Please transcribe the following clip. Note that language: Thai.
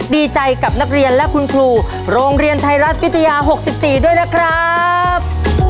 ดีใจกับนักเรียนและคุณครูโรงเรียนไทยรัฐวิทยา๖๔ด้วยนะครับ